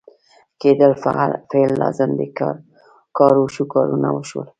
کېدل فعل لازم دی کار وشو ، کارونه وشول